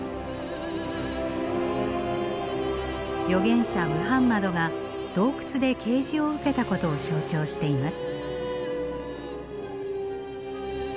預言者ムハンマドが洞窟で啓示を受けたことを象徴しています。